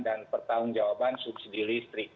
dan pertanggung jawaban subsidi listrik